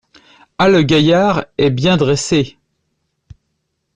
Ah ! le gaillard est bien dressé …